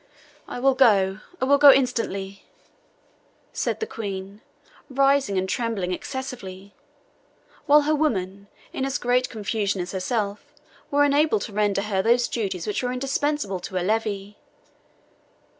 "I will go I will go instantly," said the Queen, rising and trembling excessively; while her women, in as great confusion as herself, were unable to render her those duties which were indispensable to her levee.